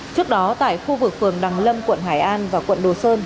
trước đó tại khu vực phường đằng lâm quận hải an và quận đồ sơn